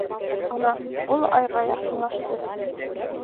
Ана, ул айға яҡынлашты.